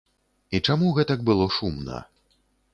І чаму гэтак было шумна.